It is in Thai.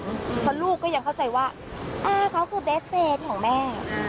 เพราะลูกก็ยังเข้าใจว่าเขาคือเบสเฟสของแม่